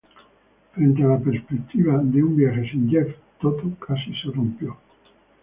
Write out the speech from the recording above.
Frente a la perspectiva de un viaje sin Jeff, Toto casi se rompió.